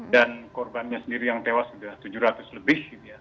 dan korbannya sendiri yang tewas sudah tujuh ratus lebih